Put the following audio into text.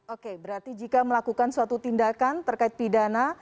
oke berarti jika melakukan suatu tindakan terkait pidana